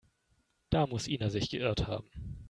Da muss Ina sich geirrt haben.